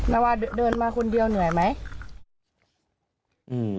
ว่าเดินมาคนเดียวเหนื่อยไหม